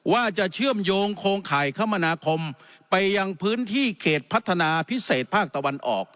ว่าจะเชื่อมโยงโครงข่ายคมนาคมไปยังพื้นที่เขตพัฒนาพิเศษภาคตะวันออก